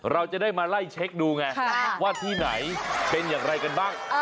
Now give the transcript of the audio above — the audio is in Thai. เราจะได้มาไล่เช็คดูไงว่าที่ไหนเป็นอย่างไรกันบ้าง